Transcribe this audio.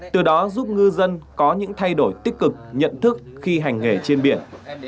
từ đó giúp ngư dân có những thay đổi tích cực nhận thức khi hành nghề trên biển